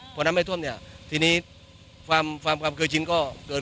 พอน้ำไม่ท่วมเนี่ยทีนี้ความเคยชินต้องเกิดขึ้น